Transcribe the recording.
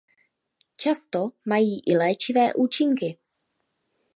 Často mají i léčivé účinky.